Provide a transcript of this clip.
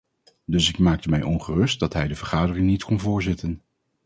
Dus ik maakte mij ongerust dat hij de vergadering niet kon voorzitten.